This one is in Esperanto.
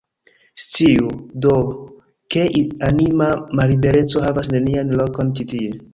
Sciu, do, ke anima mallibereco havas nenian lokon ĉi tie.